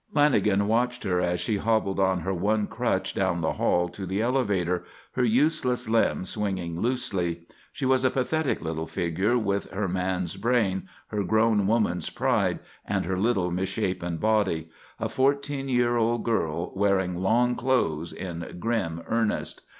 Lanagan watched her as she hobbled on her one crutch down the hall to the elevator, her useless limb swinging loosely. She was a pathetic little figure, with her man's brain, her grown woman's pride, and her little misshapen body; a fourteen year old girl, wearing "long clothes" in grim earnest.